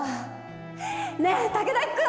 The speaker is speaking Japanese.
ねえ武田君。